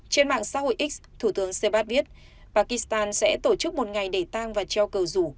trên mạng xã hội x thủ tướng sehbaz viết pakistan sẽ tổ chức một ngày để tăng và treo cầu rủ